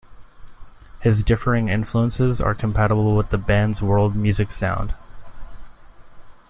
His differing influences are compatible with the band's world music sound.